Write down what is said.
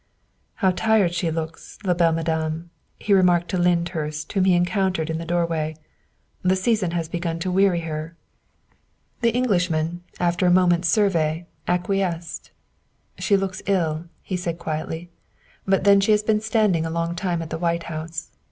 " How tired she looks, la belle Madame," he re marked to Lyndhurst, whom he encountered in the door way; " the season has begun to weary her." 216 THE WIFE OF The Englishman, after a moment's survey, acquiesced. " She looks ill," he said quietly, " but then she has been standing a long time at the White House.